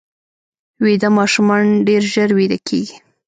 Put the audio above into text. ویده ماشومان ډېر ژر ویده کېږي